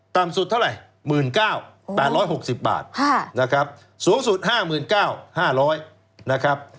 ต่ำสุดเท่าไร๒๐๐๐๐๓๖๐บาทสูงสุด๕๙๐๐๐๕๐๐บาท